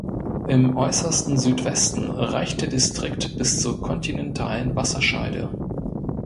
Im äußersten Südwesten reicht der Distrikt bis zur kontinentalen Wasserscheide.